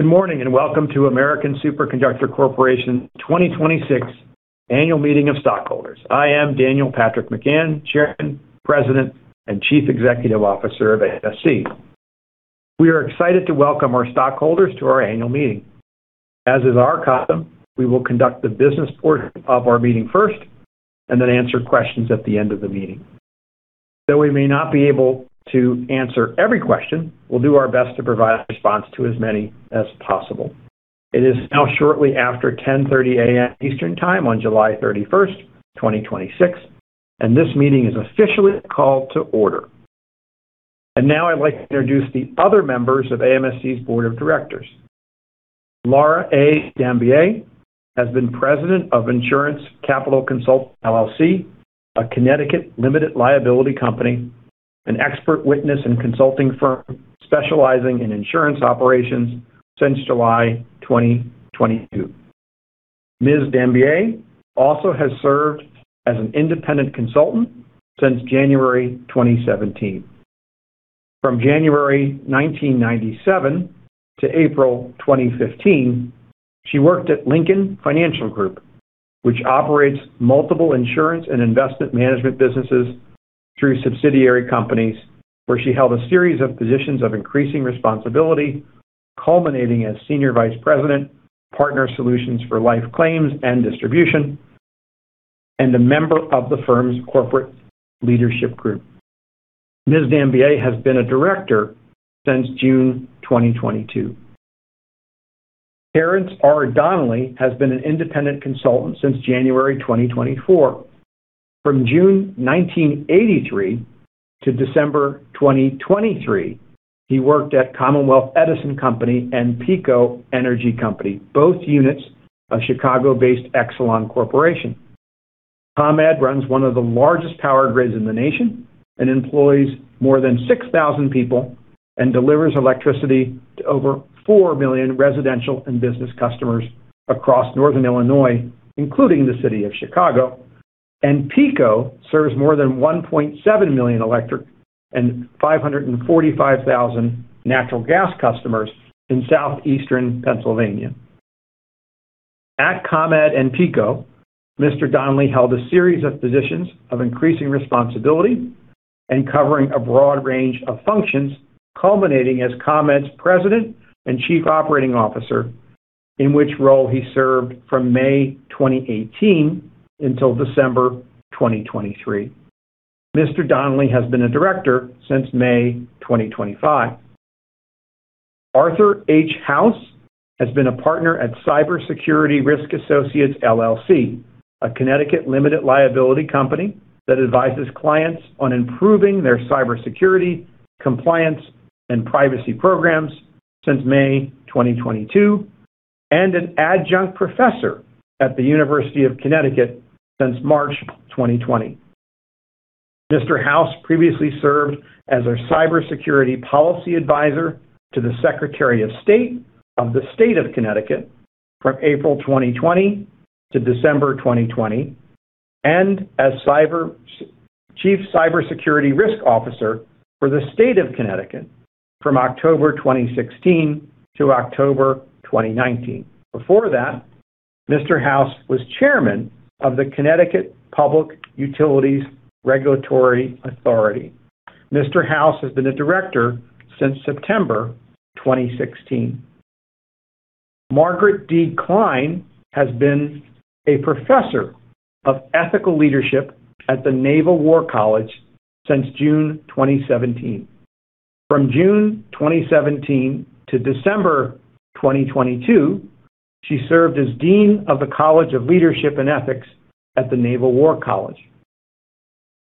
Good morning, and welcome to American Superconductor Corporation 2026 Annual Meeting of Stockholders. I am Daniel Patrick McGahn, Chairman, President, and Chief Executive Officer of AMSC. We are excited to welcome our stockholders to our annual meeting. As is our custom, we will conduct the business portion of our meeting first, then answer questions at the end of the meeting. Though we may not be able to answer every question, we'll do our best to provide a response to as many as possible. It is now shortly after 10:30 A.M. Eastern Time on July 31st, 2026, and this meeting is officially called to order. Now I'd like to introduce the other members of AMSC's Board of Directors. Laura A. Dambier has been President of Insurance Capital Consulting, LLC, a Connecticut limited liability company, an expert witness and consulting firm specializing in insurance operations since July 2022. Ms. Dambier also has served as an independent consultant since January 2017. From January 1997 to April 2015, she worked at Lincoln Financial Group, which operates multiple insurance and investment management businesses through subsidiary companies, where she held a series of positions of increasing responsibility, culminating as Senior Vice President, Partner Solutions for Life Claims and Distribution, and a member of the firm's corporate leadership group. Ms. Dambier has been a director since June 2022. Terence R. Donnelly has been an independent consultant since January 2024. From June 1983 to December 2023, he worked at Commonwealth Edison Company and PECO Energy Company, both units of Chicago-based Exelon Corporation. ComEd runs one of the largest power grids in the nation and employs more than 6,000 people and delivers electricity to over 4 million residential and business customers across northern Illinois, including the city of Chicago. PECO serves more than 1.7 million electric and 545,000 natural gas customers in southeastern Pennsylvania. At ComEd and PECO, Mr. Donnelly held a series of positions of increasing responsibility and covering a broad range of functions, culminating as ComEd's President and Chief Operating Officer, in which role he served from May 2018 until December 2023. Mr. Donnelly has been a director since May 2025. Arthur H. House has been a partner at Cybersecurity Risk Associates LLC, a Connecticut limited liability company that advises clients on improving their cybersecurity, compliance, and privacy programs since May 2022, and an adjunct professor at the University of Connecticut since March 2020. Mr. House previously served as a cybersecurity policy advisor to the Secretary of State of the State of Connecticut from April 2020 to December 2020, and as Chief Cybersecurity Risk Officer for the State of Connecticut from October 2016 to October 2019. Before that, Mr. House was Chairman of the Connecticut Public Utilities Regulatory Authority. Mr. House has been a director since September 2016. Margaret D. Klein has been a professor of ethical leadership at the Naval War College since June 2017. From June 2017 to December 2022, she served as Dean of the College of Leadership and Ethics at the Naval War College.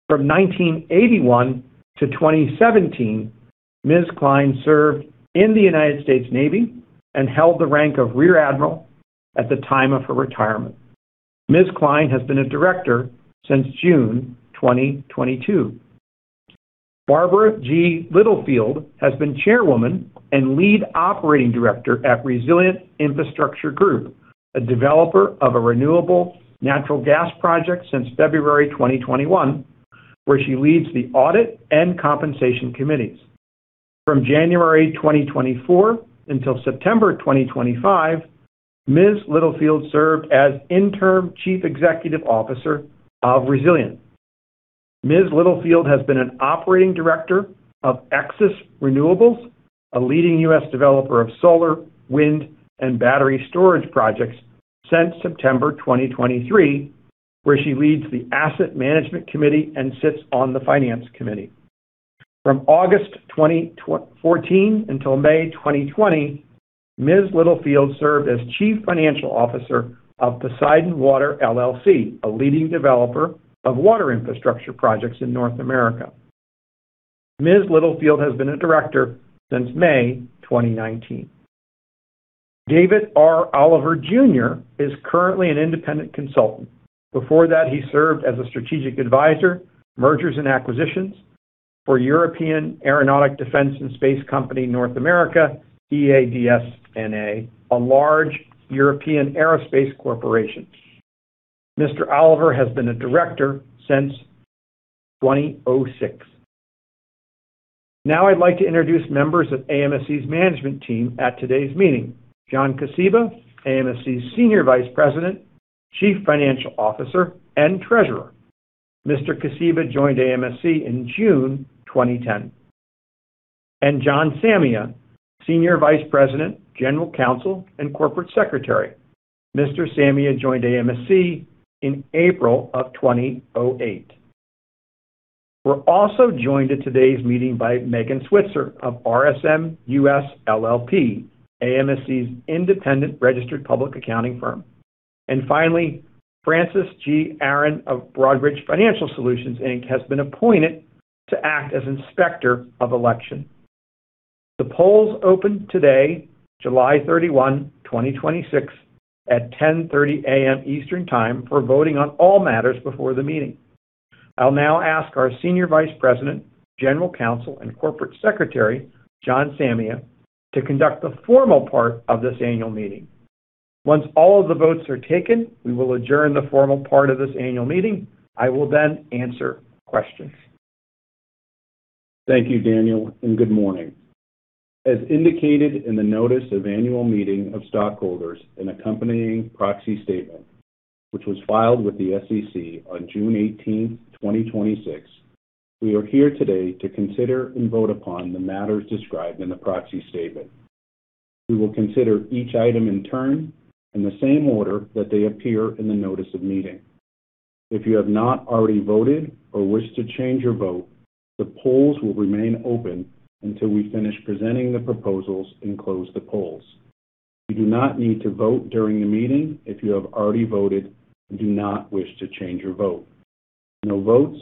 From 1981 to 2017, Ms. Klein served in the United States Navy and held the rank of Rear Admiral at the time of her retirement. Ms. Klein has been a director since June 2022. Barbara G. Littlefield has been Chairwoman and Lead Operating Director at Resilient Infrastructure Group, a developer of a renewable natural gas project since February 2021, where she leads the audit and compensation committees. From January 2024 until September 2025, Ms. Littlefield served as Interim Chief Executive Officer of Resilient. Ms. Littlefield has been an operating director of Axis Renewables, a leading U.S. developer of solar, wind, and battery storage projects since September 2023, where she leads the asset management committee and sits on the finance committee. From August 2014 until May 2020, Ms. Littlefield served as Chief Financial Officer of Poseidon Water LLC, a leading developer of water infrastructure projects in North America. Ms. Littlefield has been a director since May 2019. David R. Oliver Jr. is currently an independent consultant. Before that, he served as a strategic advisor, mergers and acquisitions for European Aeronautic Defence and Space Company, North America, EADS NA, a large European aerospace corporation. Mr. Oliver has been a director since 2006. I'd like to introduce members of AMSC's management team at today's meeting. John Kosiba, AMSC's Senior Vice President, Chief Financial Officer, and Treasurer. Mr. Kosiba joined AMSC in June 2010. John Samia, Senior Vice President, General Counsel, and Corporate Secretary. Mr. Samia joined AMSC in April of 2008. We're also joined at today's meeting by Megan Switzer of RSM US LLP, AMSC's independent registered public accounting firm. Francis G. Aaron of Broadridge Financial Solutions, Inc. has been appointed to act as Inspector of Election. The polls opened today, July 31, 2026, at 10:30 A.M. Eastern Time for voting on all matters before the meeting. I'll now ask our Senior Vice President, General Counsel, and Corporate Secretary, John Samia, to conduct the formal part of this annual meeting. Once all of the votes are taken, we will adjourn the formal part of this annual meeting. I will then answer questions. Thank you, Daniel, good morning. As indicated in the notice of annual meeting of stockholders and accompanying proxy statement, which was filed with the SEC on June 18, 2026, we are here today to consider and vote upon the matters described in the proxy statement. We will consider each item in turn in the same order that they appear in the notice of meeting. If you have not already voted or wish to change your vote, the polls will remain open until we finish presenting the proposals and close the polls. You do not need to vote during the meeting if you have already voted and do not wish to change your vote. No votes,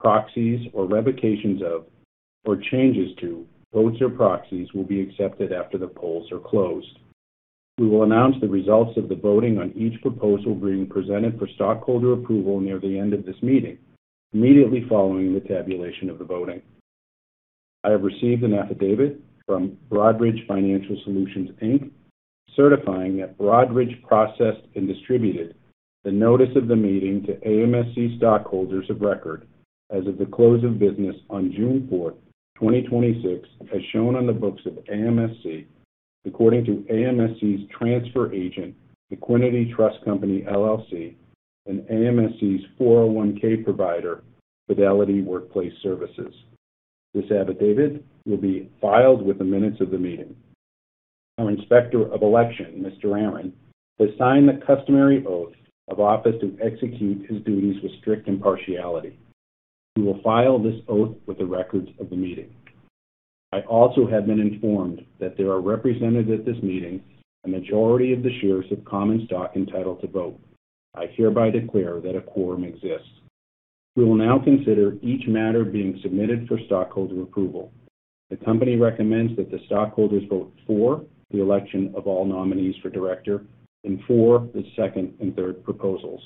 proxies, or revocations of, or changes to votes or proxies will be accepted after the polls are closed. We will announce the results of the voting on each proposal being presented for stockholder approval near the end of this meeting, immediately following the tabulation of the voting. I have received an affidavit from Broadridge Financial Solutions, Inc., certifying that Broadridge processed and distributed the notice of the meeting to AMSC stockholders of record as of the close of business on June 4, 2026, as shown on the books of AMSC, according to AMSC's transfer agent, Equiniti Trust Company LLC, and AMSC's 401(k) provider, Fidelity Workplace Services. This affidavit will be filed with the minutes of the meeting. Our Inspector of Election, Mr. Aaron, has signed the customary oath of office to execute his duties with strict impartiality. We will file this oath with the records of the meeting. I also have been informed that there are represented at this meeting a majority of the shares of common stock entitled to vote. I hereby declare that a quorum exists. We will now consider each matter being submitted for stockholder approval. The company recommends that the stockholders vote for the election of all nominees for director and for the second and third proposals.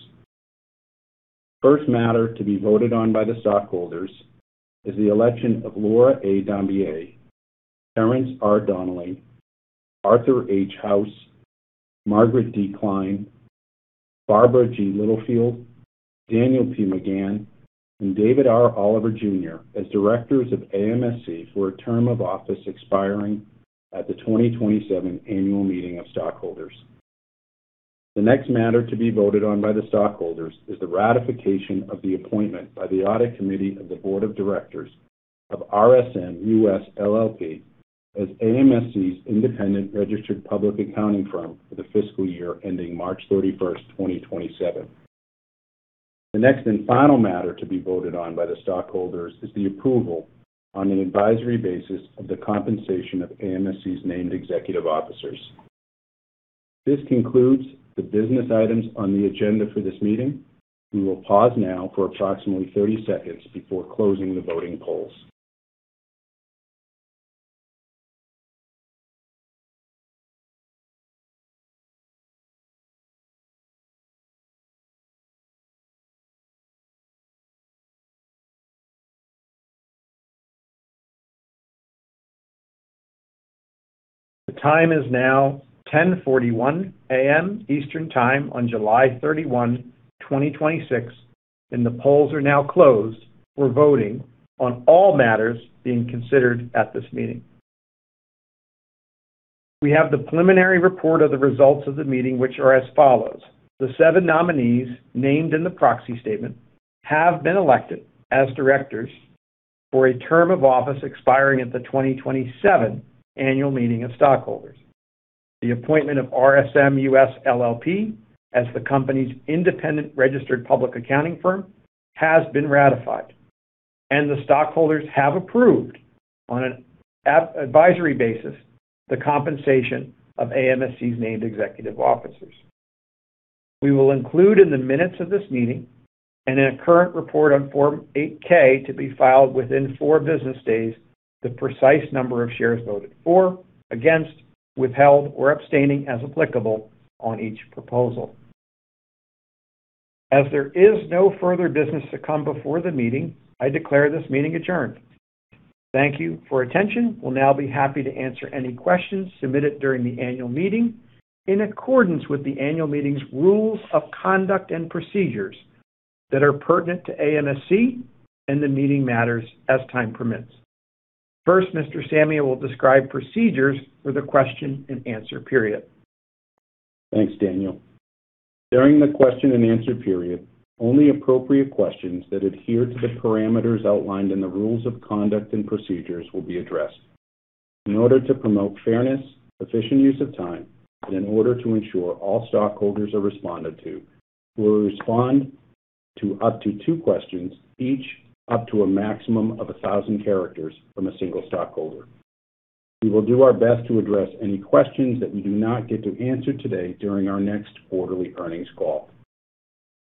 First matter to be voted on by the stockholders is the election of Laura A. Dambier, Terence R. Donnelly, Arthur H. House, Margaret D. Klein, Barbara G. Littlefield, Daniel P. McGahn, and David R. Oliver Jr. as directors of AMSC for a term of office expiring at the 2027 annual meeting of stockholders. The next matter to be voted on by the stockholders is the ratification of the appointment by the Audit Committee of the board of directors of RSM US LLP as AMSC's independent registered public accounting firm for the fiscal year ending March 31st, 2027. The next and final matter to be voted on by the stockholders is the approval on an advisory basis of the compensation of AMSC's named executive officers. This concludes the business items on the agenda for this meeting. We will pause now for approximately 30 seconds before closing the voting polls. The time is now 10:41 A.M. Eastern Time on July 31, 2026. The polls are now closed for voting on all matters being considered at this meeting. We have the preliminary report of the results of the meeting, which are as follows. The seven nominees named in the proxy statement have been elected as directors for a term of office expiring at the 2027 annual meeting of stockholders. The appointment of RSM US LLP as the company's independent registered public accounting firm has been ratified, and the stockholders have approved, on an advisory basis, the compensation of AMSC's named executive officers. We will include in the minutes of this meeting and in a current report on Form 8-K to be filed within four business days the precise number of shares voted for, against, withheld, or abstaining, as applicable, on each proposal. There is no further business to come before the meeting, I declare this meeting adjourned. Thank you for your attention. We'll now be happy to answer any questions submitted during the annual meeting in accordance with the annual meeting's rules of conduct and procedures. That are pertinent to AMSC and the meeting matters as time permits. First, Mr. Samia will describe procedures for the question-and-answer period. Thanks, Daniel. During the question-and-answer period, only appropriate questions that adhere to the parameters outlined in the rules of conduct and procedures will be addressed. In order to promote fairness, efficient use of time, and in order to ensure all stockholders are responded to, we will respond to up to two questions, each up to a maximum of 1,000 characters from a single stockholder. We will do our best to address any questions that we do not get to answer today during our next quarterly earnings call.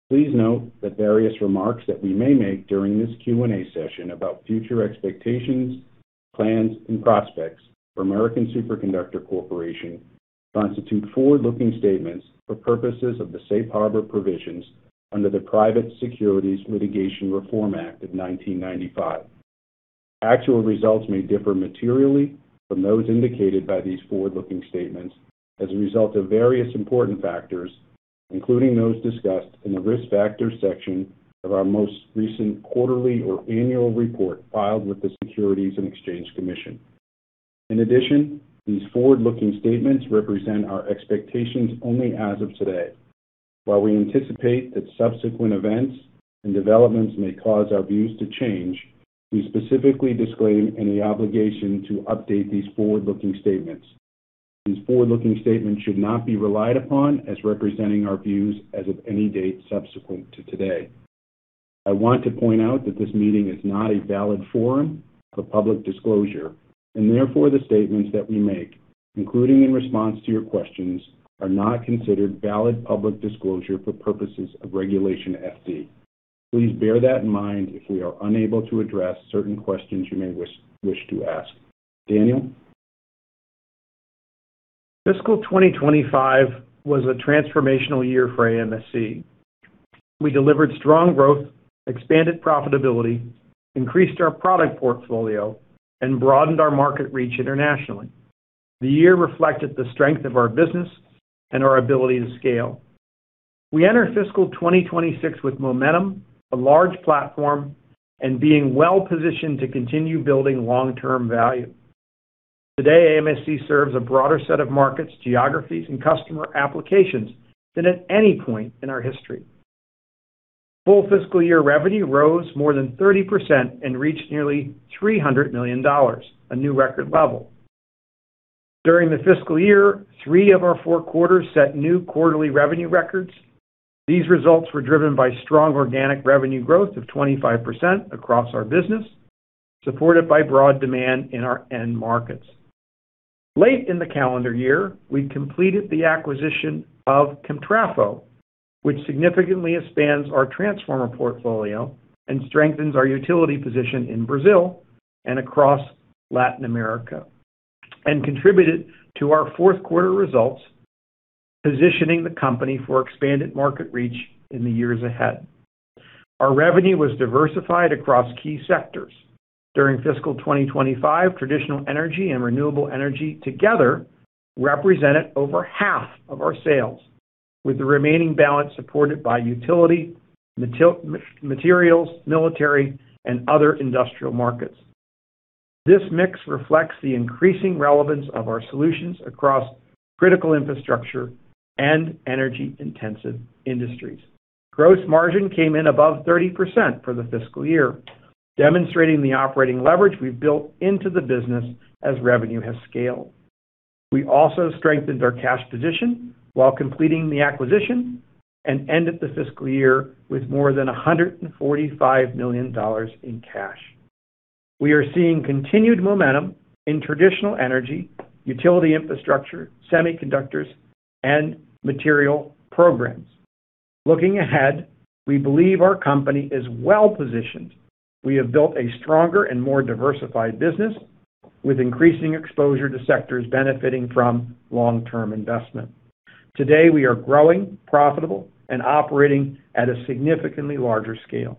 Please note that various remarks that we may make during this Q&A session about future expectations, plans, and prospects for American Superconductor Corporation constitute forward-looking statements for purposes of the safe harbor provisions under the Private Securities Litigation Reform Act of 1995. Actual results may differ materially from those indicated by these forward-looking statements as a result of various important factors, including those discussed in the Risk Factors section of our most recent quarterly or annual report filed with the Securities and Exchange Commission. These forward-looking statements represent our expectations only as of today. While we anticipate that subsequent events and developments may cause our views to change, we specifically disclaim any obligation to update these forward-looking statements. These forward-looking statements should not be relied upon as representing our views as of any date subsequent to today. I want to point out that this meeting is not a valid forum for public disclosure, the statements that we make, including in response to your questions, are not considered valid public disclosure for purposes of Regulation FD. Please bear that in mind if we are unable to address certain questions you may wish to ask. Daniel? Fiscal 2025 was a transformational year for AMSC. We delivered strong growth, expanded profitability, increased our product portfolio, and broadened our market reach internationally. The year reflected the strength of our business and our ability to scale. We enter fiscal 2026 with momentum, a large platform, and being well-positioned to continue building long-term value. Today, AMSC serves a broader set of markets, geographies, and customer applications than at any point in our history. Full fiscal year revenue rose more than 30% and reached nearly $300 million, a new record level. During the fiscal year, three of our four quarters set new quarterly revenue records. These results were driven by strong organic revenue growth of 25% across our business, supported by broad demand in our end markets. Late in the calendar year, we completed the acquisition of Comtrafo, which significantly expands our transformer portfolio and strengthens our utility position in Brazil and across Latin America, and contributed to our fourth quarter results, positioning the company for expanded market reach in the years ahead. Our revenue was diversified across key sectors. During fiscal 2025, traditional energy and renewable energy together represented over half of our sales, with the remaining balance supported by utility, materials, military, and other industrial markets. This mix reflects the increasing relevance of our solutions across critical infrastructure and energy-intensive industries. Gross margin came in above 30% for the fiscal year, demonstrating the operating leverage we've built into the business as revenue has scaled. We also strengthened our cash position while completing the acquisition, and ended the fiscal year with more than $145 million in cash. We are seeing continued momentum in traditional energy, utility infrastructure, semiconductors, and material programs. Looking ahead, we believe our company is well-positioned. We have built a stronger and more diversified business, with increasing exposure to sectors benefiting from long-term investment. Today, we are growing, profitable, and operating at a significantly larger scale.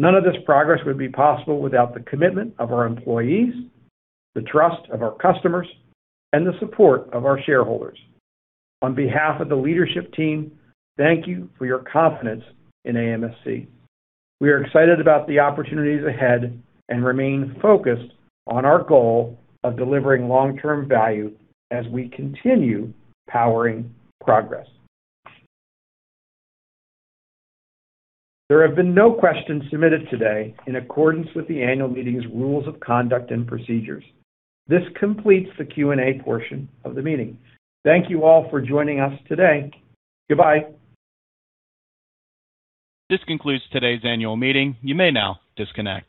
None of this progress would be possible without the commitment of our employees, the trust of our customers, and the support of our shareholders. On behalf of the leadership team, thank you for your confidence in AMSC. We are excited about the opportunities ahead and remain focused on our goal of delivering long-term value as we continue powering progress. There have been no questions submitted today in accordance with the annual meeting's rules of conduct and procedures. This completes the Q&A portion of the meeting. Thank you all for joining us today. Goodbye. This concludes today's annual meeting. You may now disconnect.